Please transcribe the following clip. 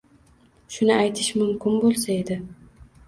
Shuni aytish mumkin bo’lsa edi.